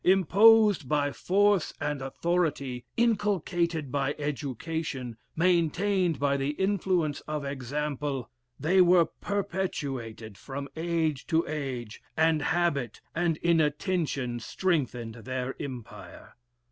Imposed by force and authority, inculcated by education, maintained by the influence of example, they were perpetuated from age to age, and habit and inattention strengthened their empire.